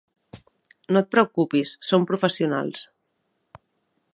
No et preocupis, som professionals.